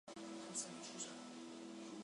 不利于修改